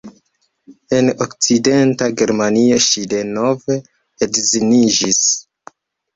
En Okcidenta Germanio ŝi denove edziniĝis.